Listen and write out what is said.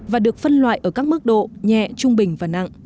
và được phân loại ở các mức độ nhẹ trung bình